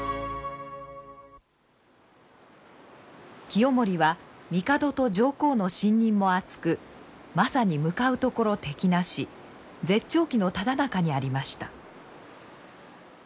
清盛は帝と上皇の信任も厚くまさに向かうところ敵なし絶頂期のただ中にありました。